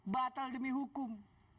batal demi hukum